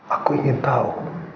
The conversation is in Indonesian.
aku ingin tahu